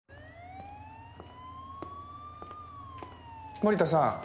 森田さん。